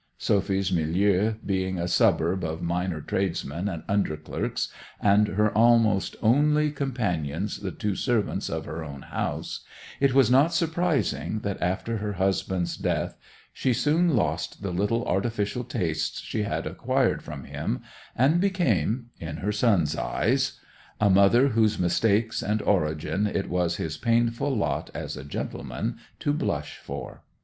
Sophy's milieu being a suburb of minor tradesmen and under clerks, and her almost only companions the two servants of her own house, it was not surprising that after her husband's death she soon lost the little artificial tastes she had acquired from him, and became—in her son's eyes—a mother whose mistakes and origin it was his painful lot as a gentleman to blush for.